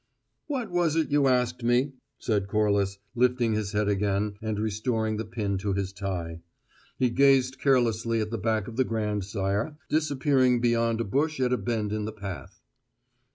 "What was it you asked me?" said Corliss, lifting his head again and restoring the pin to his tie. He gazed carelessly at the back of the grandsire, disappearing beyond a bush at a bend in the path.